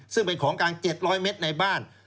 ซึ่งเป็นของกลาง๗๐๐เมตรในบ้าน